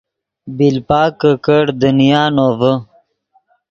بیلپک کہ کڑ دنیا نوڤے